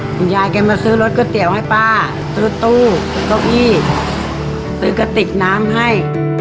คุณยายแกมาซื้อรถก๋วยเตี๋ยวให้ป้าซื้อรถตู้เก้าอี้ซื้อกระติกน้ำให้